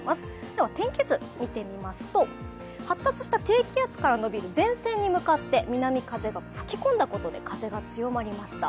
では、天気図を見てみますと、発達した低気圧から伸びる前線に向かって南風が吹き込んだことで風が強まりました。